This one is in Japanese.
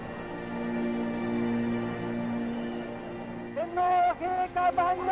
天皇陛下万歳！